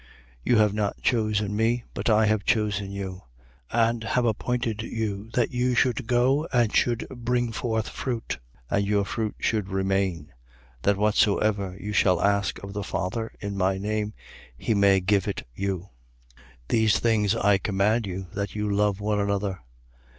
15:16. You have not chosen me: but I have chosen you; and have appointed you, that you should go and should bring forth fruit; and your fruit should remain: that whatsoever you shall ask of the Father in my name, he may give it you. 15:17. These things I command you, that you love one another.